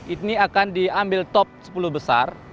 ini akan diambil top sepuluh besar